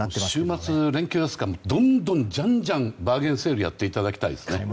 週末、連休ですからどんどん、じゃんじゃんバーゲンセールをやってほしい。